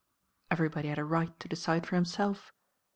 Everybody had a right to decide for himself.